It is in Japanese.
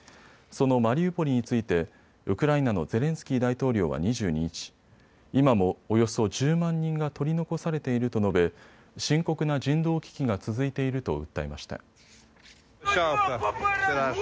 そのマリウポリについてウクライナのゼレンスキー大統領は２２日、今も、およそ１０万人が取り残されていると述べ深刻な人道危機が続いていると訴えました。